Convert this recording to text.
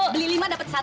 beli lima dapet satu ya